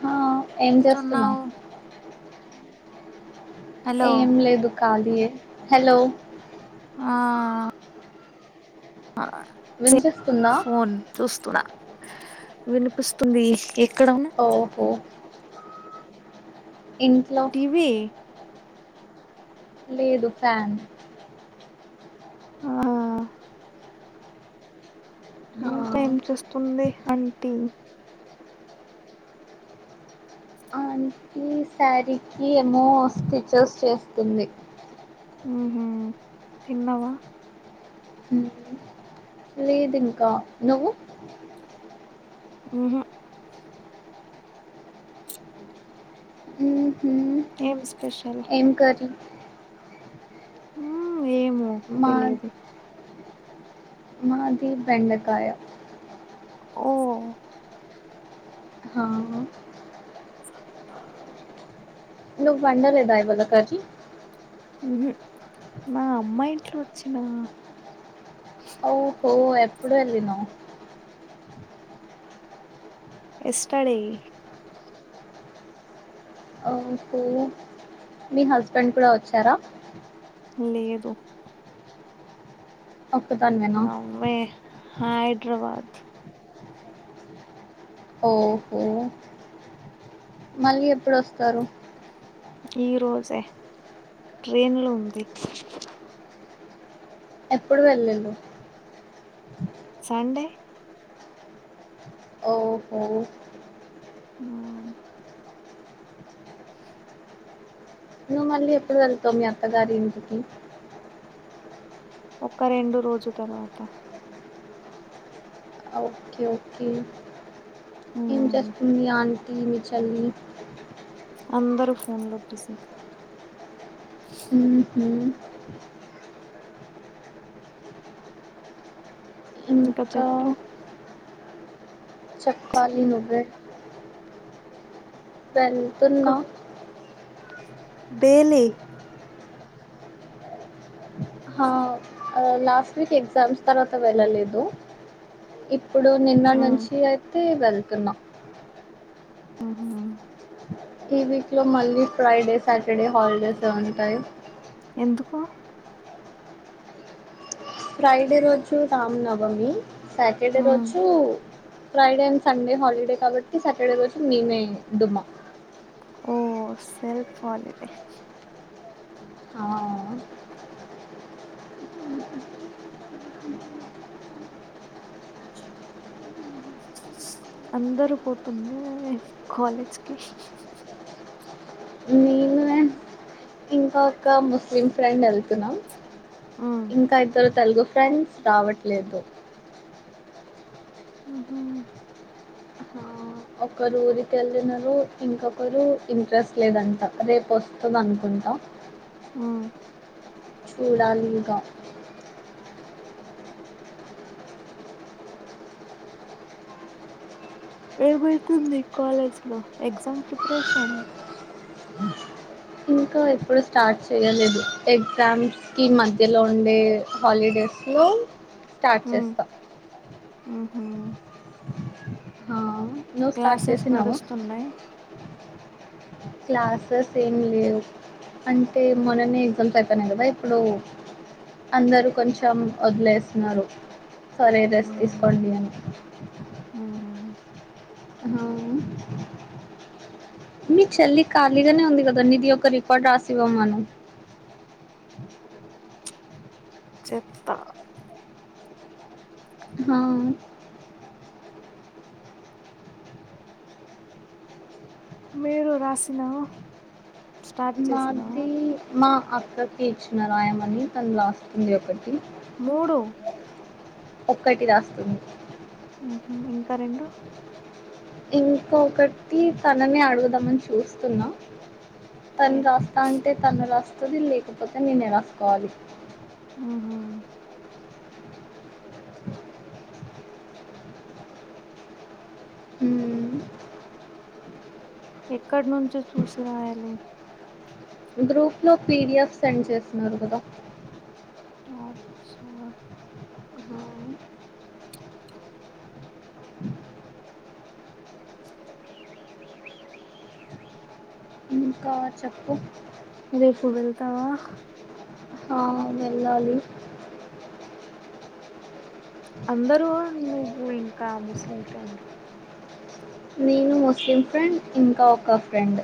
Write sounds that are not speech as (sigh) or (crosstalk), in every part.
హ ఏం చేస్తున్నావ్ స్తున్నావు హలో ఏం లేదు కాళీ ఏ హలో ఆ ఆ మ్ వినిపిస్తుందా ఫోన్ చూస్తున్నా హ్ వినిపిస్తుంది ఎక్కడ ఉన్న ఓహో ఇంట్లో టీవీ లేదు ఫ్యాన్ ఆ ఆ, ఇంకా ఏం చేస్తుంది అంటీ ఆ అంటీ సారీ కి ఏమో స్టిచెస్ చేస్తుంది ఉ హ్ తిన్నావా లేద్ ఇంకా నువ్వు మ్ హ్ మ్ ఏం స్పెషల్ ఎం కర్రీ మ్ ఏమో మా తెలీదు మాది బెండకాయ ఓ హ నువ్ వండలేదా (unintelligible) మ్మ్ మా అమ్మా ఇంట్లో వచ్చి నా ఓహో ఎప్పుడు వెళ్ళినై ఎస్టర్డే మ్ హ్మ్ మీ హస్బెండ్ కూడా వచ్చారా లేదు ఒక్కదానివేనా మమ్మీ హైదరాబాద్ ఓహో మళ్ళీ ఎప్పుడొస్తారు ఈ రోజే ట్రైన్లో ఉంది ఎప్పుడు వెళ్ళిండు సండే ఓహో అ నువ్ మళ్ళీ ఎప్పుడు వెలతవ్ మీ అత్త గారి ఇంటికి ఒక రెండు రోజు తరువాత ఓకేఓకే ఏం ఉమ్ చేస్తుంది ఆం టీ మీ చెల్లి అందరు ఫోన్లో బిజి మ్ హ్మ్ ఇంకా చెప్పాలి నువ్వే వెల్తున్నా బేలి హా లాస్ట్ వీక్ ఎగ్జామ్స్ తర్వాత వెళ్ళలేదు ఇప్పుడు నిన్న ఉమ్ నుంచి అయితే వెళ్తున్నా అహా ఈ వీక్లో మళ్ళీ ఫ్రైడే సాటర్డే హాలిడేస్ ఎ ఉంటాయి కో ఫ్రైడే రోజు రామనవమి సాటర్డే ఉమ్ రోజు ఫ్రైడే అండ్ సండే హాలిడే కాబట్టి సాటర్డే రోజు మేమే డుమ్మా ఓ సెల్ఫ్ హాలిడే ఆ అందరూ పోతుంది కాలేజ్కి నేను ఇంకా ఒక ముస్లిం ఫ్రెండ్ వెళ్తున్నాం ఉమ్ ఇంకా ఇద్దరు తెలుగు ఫ్రెండ్స్ రావట్లేదు ఉహు ఆ, ఒకరు ఊరికెళ్ళినరు ఇంకొకరు ఇంట్రెస్ట్ లేదంట రేపు వస్తది అనుకుంట అంట ఉమ్ చూడాలి ఇక ఏమైతుంది కాలేజ్ లో ఎగ్జామ్ ప్రిపరేషన్ ఎప్పుడు స్టార్ట్ చేయలేదు ఎగ్జామ్స్ కి మధ్యలో ఉండే హాలిడేస్ లో లో స్టార్ట్ చేస్తా మ్ హ్మ్ ఆ నువ్వు స్టార్ట్ క్లాసెస్ చేసినావు నడుస్తున్నాయి క్లాసెస్ ఏం లేవు అంటే మొననే ఎగ్జామ్స్ అయిపోయినయి కదా ఇప్పుడు అందరూ కొంచం ఓదిలేస్తున్నారు సరే రెస్ట్ ఉమ్ తీసుకోండి అని ఉహు హా మీ చెల్లి ఖాళీగానే ఉంది కదా నిది ఒక రికార్డు రాసివ్వమను చెత్తా ఆ, మీరు రాసినా స్టార్ట్ చేసినా మాది మా అక్కకి ఇచ్చిన రాయమని తను లాస్తుంది ఒకటి మూడు ఒక్కటి రాస్తుంది మ్ హు ఇంకా రెండు ఇంకొకటీ తననే అడుగుదామని చూస్తున్నా షేట్ తను రాస్తా అంటే తను రాస్తుంది లేకపోతే నెనే రాసుకోవాలి ఉహు ఉమ్ ఎక్కడ్ నుంచి చూసి రాయాలి గ్రూప్లో పీడిఎఫ్ సెండ్ చేస్తున్నారు కదా ఆచ్చా ఆ! ఇంకా చెప్పు రేపు వెళ్తావా హ వెళ్ళాలి అందరూ నువ్వు ఇంకా ముస్లిమ్స్ ఫ్రెండ్ నేను ముస్లిం ఫ్రెండ్ ఇంకా ఒక ఫ్రెండ్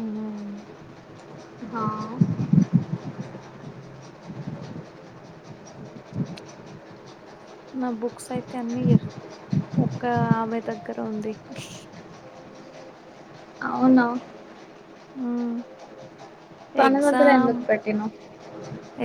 అహా హా నా బుక్స్ అయితే అన్ని యెర్ ఒక్క ఆమె దగ్గర ఉంది అవునా మ్ తన దగ్గర ఎగ్జామ్ ఎందుకు పెట్టినావ్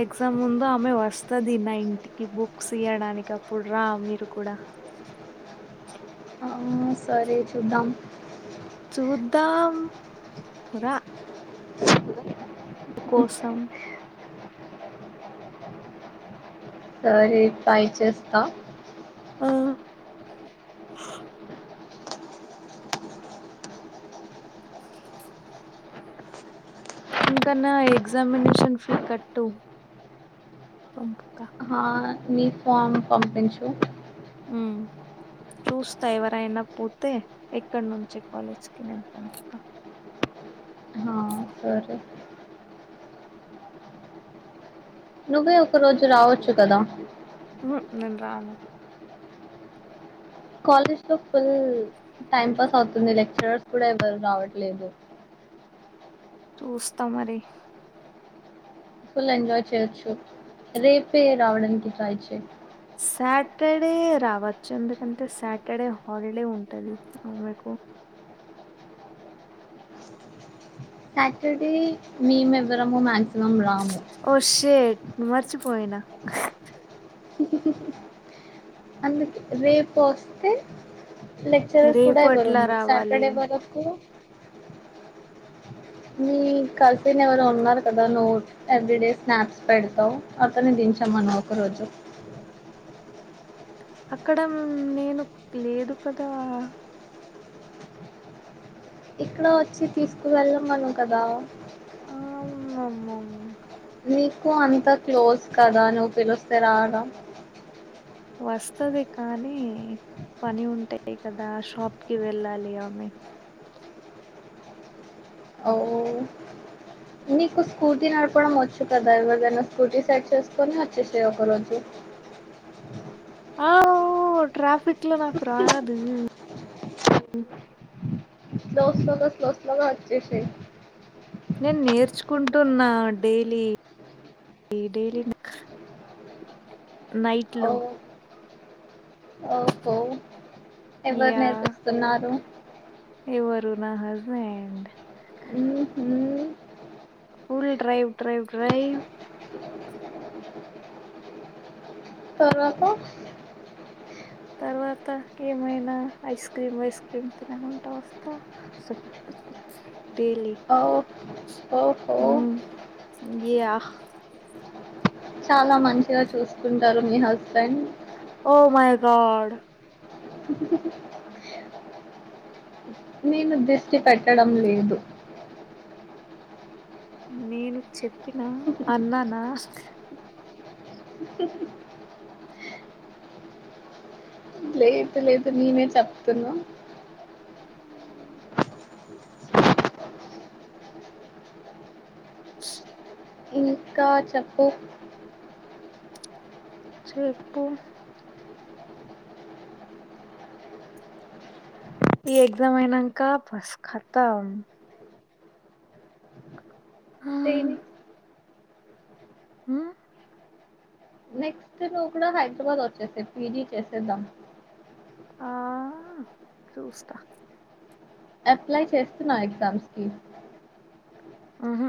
ఎగ్ ఎగ్జామ్ ముందు ఆమె వస్తది నా ఇంటికి బుక్స్ ఇయడానికి అప్పుడు రా మీరు కూడా ఆ సరే చూద్దాం చూద్దాం రా కోసం సరే ట్రై చేస్తా ఆ ఇంక నా ఎగ్జామినేషన్ ఫీ కట్టు ఆ నీ ఫామ్ పంపించు ఉమ్ చూస్తా ఎవరైనా పొతే ఇక్కడ నుంచి కాలేజ్కి నేను పంపుత ఆ సరే నువ్వే ఒక రోజు రావచ్చు కదా ఉహు నెన్ రాను కాలేజ్ లో ఫుల్ల్ టైం పాస్ అవుతుంది లెక్చరర్స్ కూడ ఎవరు రావట్లేదు చూస్తా మరి ఫుల్ ఎంజాయ్ చేయొచ్చు రేపే రావడానికి ట్రై చేయ్ సాటర్డే రావచ్చ ఎందుకంటే సాటర్డే హాలిడే ఉంటది ఆ మీకు సాటర్డే మేము ఎవ్వరము మాక్సిమం రాము ఓ షేట్ మర్చిపోయినా అందుక్ రేపోస్తే లేక్చరర్స్ కూడా రేపు అట్లా ఎవరుండరు రావాలి సటర్డే వరకు మీ కసీన్ ఎవరొ ఉన్నరు కదా నువ్ ఎవెర్యడే స్నాప్స్ పెడతవ్ అతన్ని దిన్ చమను ఒక రోజు అక్కడ మ్ నేను క్లేదు కదా ఇక్కడా వచ్చి తీసుకు వెళ్ళమను కదా ఆమమ్మో నీకు అనిత క్లోజ్ కదా నువ్వు పిలిస్తే రాదా వస్తది కానీ పని ఉంటయి కదా షాప్ కి వెళ్ళాలి ఆమె ఓ నీకు స్కూటీ నడపడం వచ్చు కదా ఎవరిదన్న స్కూటీ సెట్ చేసుకొని వచ్చేసై ఒక రోజు ఆవ్ ట్రాఫిక్ల నాకు రాదు స్లో స్లోగా స్లో స్లోగా వచ్చేసై నేన్ నేర్చుకుంటున్నా డైలీ డైలీ ఓ నైట్లో ఓహో ఎవరు యా నేర్పిస్తున్నారు ఎవరు నా హస్బెండ్ ఉమ్ ఫుల్ డ్రైవ్ డ్రైవ్ డ్రైవ్ తర్వాత తర్వాత ఏమైనా ఐస్ క్రీమ్ వైస్ క్రీమ్ తినకుంటా వస్తా డైలీ ఓ ఓహో ఊ గ్యా చాలా మంచిగా చూసుకుంటారు మీ హస్బెండ్ ఓ మై గాడ్ నేను దిష్టి పెట్టడం లేదు నేను చెప్పినా అన్ననా లేదు లేదు నేనే చెప్తున్నా ఊ ఇంకా చెప్పు చెేప్పు ఈ ఎగ్జామ్ అయినాక పస్ ఖతం ఆ దేని అ అయితే నువ్వు కూడా హైదరాబాద్ వచ్చేసై పీజీ చేసేద్దాం ఆ చూస్తా అప్లై చేస్తున్నవా ఎగ్జామ్స్ కి ఆహ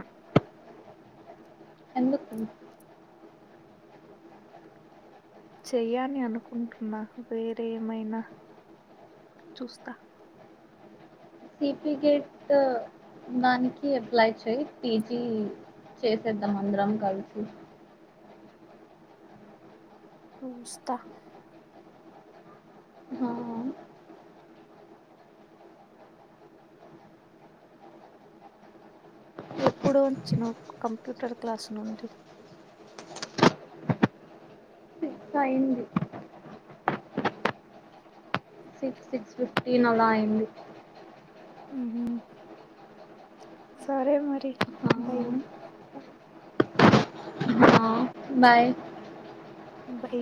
ఎందుకు చెయ్యా అని అనుకుంటున్నా వేరేమైనా చూస్తా సర్ఫికెట్ దానికి అప్లై చేయ్ పీజీ చేసేద్దాం అందరం కలిసి చూస్త ఆ ఎప్పుడు వచ్చినవ్ కంప్యూటర్ క్లాసు నుండి సిక్స్ అయింది సిక్స్ సిక్స్ ఫిఫ్టీన్ అలా అయ్యింది ఉహు సరే మరీ బై ఆ బాయ్ బై